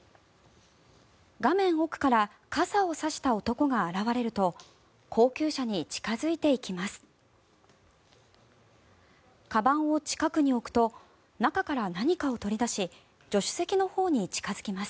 画面奥から傘を差した男が現れると高級車に近付いていきます。